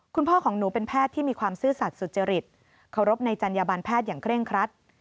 คุณพ่อของหนูเป็นแพทย์ที่มีความซื่อสัตว์สุจริตเคารพในจัญญบันแพทย์อย่างเร่งครัด